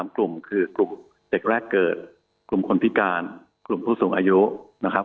๓กลุ่มคือกลุ่มเด็กแรกเกิดกลุ่มคนพิการกลุ่มผู้สูงอายุนะครับ